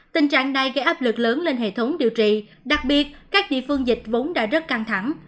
tình trạng này gây áp lực lớn lên hệ thống điều trị đặc biệt các địa phương dịch vốn đã rất căng thẳng